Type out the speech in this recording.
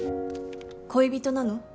恋人なの？